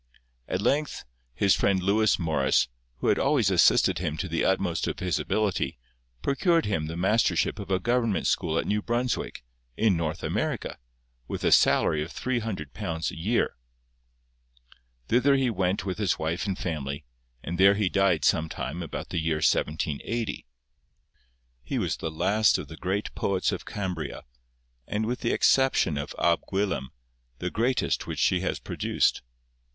At length his friend Lewis Morris, who had always assisted him to the utmost of his ability, procured him the mastership of a Government school at New Brunswick, in North America, with a salary of three hundred pounds a year. Thither he went with his wife and family, and there he died some time about the year 1780. 'He was the last of the great poets of Cambria, and with the exception of Ab Gwilym, the greatest which she has produced.